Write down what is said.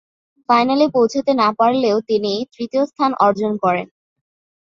ফাইনালে পৌঁছাতে না পারলেও তিনি তৃতীয় স্থান অর্জন করেন।